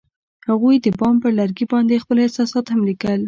هغوی د بام پر لرګي باندې خپل احساسات هم لیکل.